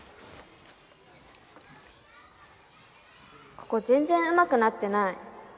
ここ全然上手くなってない。